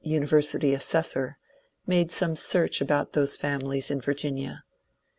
CARLYLE 107 university ^^ assessor," made some search about those families in Virginia.